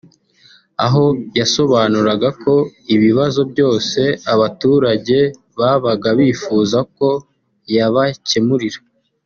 aho yasobanuraga ko ibibazo byose abaturage babaga bifuza ko yabacyemurira